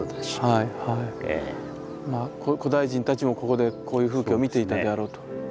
まあ古代人たちもここでこういう風景を見ていたであろうと。